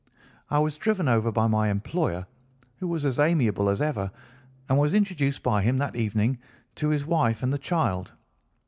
"I was driven over by my employer, who was as amiable as ever, and was introduced by him that evening to his wife and the child.